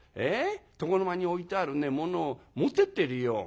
床の間に置いてあるねものを持ってってるよ。